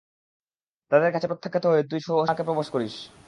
তাদের কাছে প্রত্যাখ্যাত হয়ে তুই শোবানাকে প্রপোজ করিস।